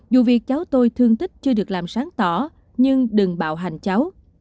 dù việc cháu tôi thương tích chưa được làm sáng tỏ nhưng đừng bạo hành cháu